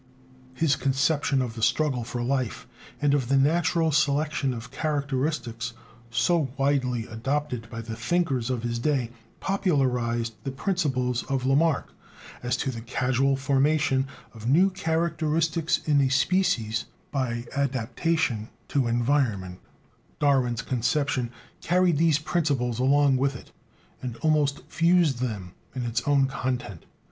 His conception of the struggle for life and of the natural selection of characteristics, so widely adopted by the thinkers of his day, popularized the principles of Lamarck as to the casual formation of new characteristics in a species by adaptation to environment; Darwin's conception carried these principles along with it and almost fused them in its own content.